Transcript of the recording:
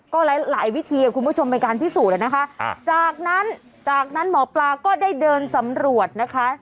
ก็หลายหลายวิธีคุณผู้ชมในการพิสูจน์นะคะจากนั้นจากนั้นหมอปลาก็ได้เดินสำรวจนะคะ